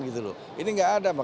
ini tidak ada